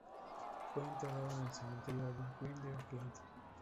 Fue enterrado en el Cementerio Evergreen de Oakland.